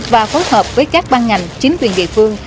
và phối hợp với các ban ngành chính quyền địa phương